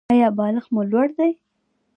ایا بالښت مو لوړ دی؟